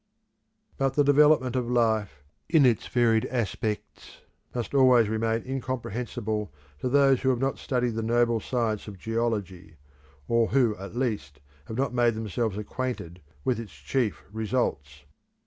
But the development of life, in its varied aspects, must always remain incomprehensible to those who have not studied the noble science of geology, or who at least have not made themselves acquainted with its chief results.